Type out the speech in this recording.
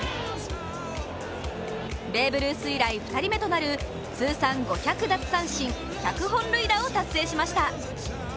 ベーブ・ルース以来２人目となる通算５００奪三振１００本塁打を達成しました。